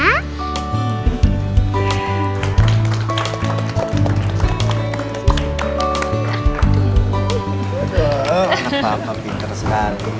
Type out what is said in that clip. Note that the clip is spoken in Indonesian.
aduh anak papa pinter sekali